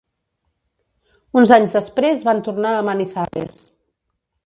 Uns anys després, van tornar a Manizales.